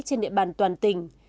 trên địa bàn toàn tỉnh